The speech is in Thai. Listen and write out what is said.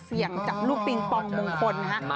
เสี่ยงกับลูกปิงปองมงคลนะฮะ